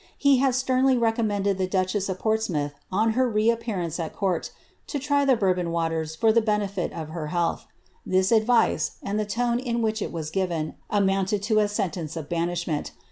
ik' had sternly lecontmendt'd the duchess of Portsmouth, oo her n^h pearance at court, to try the Bourbon waters for the benefit of her liL alih. This advice, and the tone in which it was given, amoonted to a siiiteuce of banishment.